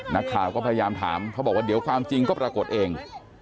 นักข่าวก็พยายามถามเขาบอกว่าเดี๋ยวความจริงก็ปรากฏเอง